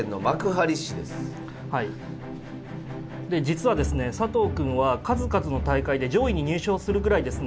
実はですね佐藤くんは数々の大会で上位に入賞するぐらいですね